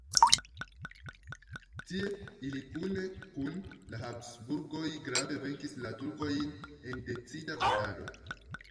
Tie ili kune kun la Habsburgoj grave venkis la turkojn en decida batalo.